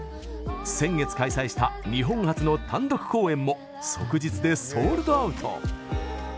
先月、開催した日本初の単独公演も即日でソールドアウト。